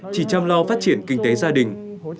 chỉ chăm lo phát triển kinh tế gia đình